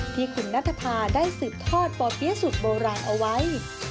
ที่คุณนัทภาได้สืบทอดป่อเปี๊ยะสุดโบราณเอาไว้